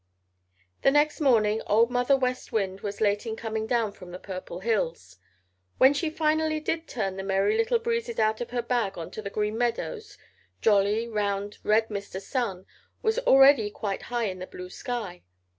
The next morning Old Mother West Wind was late in coming down from the Purple Hills. When she finally did turn the Merry Little Breezes out of her big bag onto the Green Meadows jolly, round, red Mr. Sun was already quite high in the blue sky.